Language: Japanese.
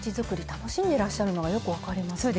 楽しんでらっしゃるのがよく分かりますね。